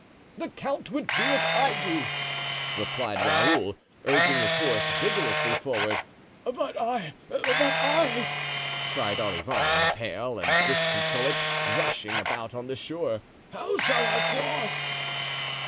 "The count would do as I do," replied Raoul, urging his horse vigorously forward. "But I—but I," cried Olivain, pale and disconsolate rushing about on the shore, "how shall I cross?"